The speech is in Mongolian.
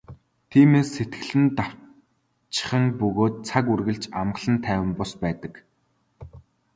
Тиймээс сэтгэл нь давчхан бөгөөд цаг үргэлж амгалан тайван бус байдаг.